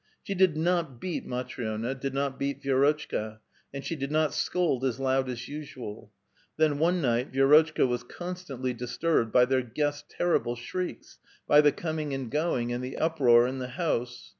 She did not beat Matri6na, did not beat Vi^rotc^hka, and she did not scold as loud as usual ; then one night Vi^rotchka was con stantly disturbed by their guest's terrible shrieks, by the going and coming, and the uproar in the house.